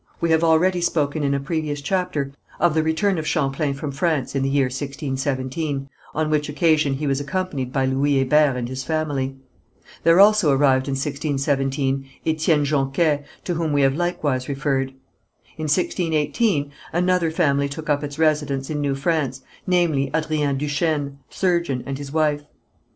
We have already spoken in a previous chapter of the return of Champlain from France in the year 1617, on which occasion he was accompanied by Louis Hébert and his family. There also arrived in 1617, Étienne Jonquest, to whom we have likewise referred. In 1618 another family took up its residence in New France, namely Adrien Duchesne, surgeon, and his wife.